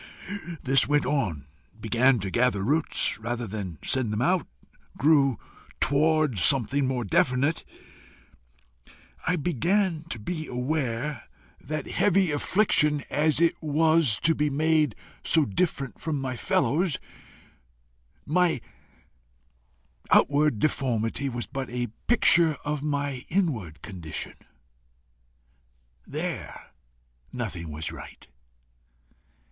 This went on, began to gather roots rather than send them out, grew towards something more definite. I began to be aware that, heavy affliction as it was to be made so different from my fellows, my outward deformity was but a picture of my inward condition. There nothing was right.